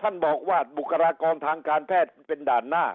ท่านบอกว่าบุคลากรทางการแพทย์เป็นด่านหน้า